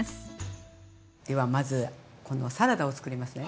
ではまずこのサラダを作りますね。